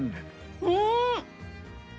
うん！